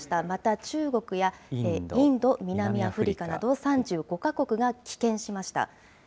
また、中国やインド、南アフリカなど３５か国が棄権しました。